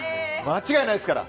間違いないですから。